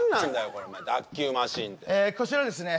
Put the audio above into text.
これお前脱臼マシーンってこちらですね